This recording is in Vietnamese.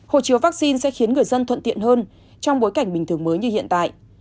hộ chiếu vaccine sẽ khiến người dân thuận tiện hơn trong bối cảnh bình thường mới như hiện tại